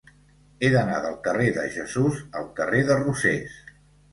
He d'anar del carrer de Jesús al carrer de Rosés.